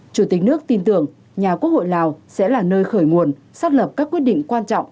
chủ tịch nước tin tưởng nhà quốc hội lào sẽ là nơi khởi nguồn xác lập các quyết định quan trọng